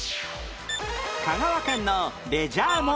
香川県のレジャー問題